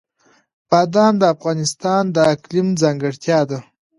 بادام د افغانستان د اقلیم ځانګړتیا ده.